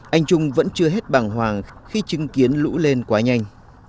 anh trung vẫn chưa hết bằng hoàng khi chứng kiến lũ lên quá nhanh